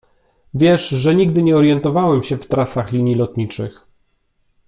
Wiesz, że nigdy nie orientowałem się w trasach linii lotniczych.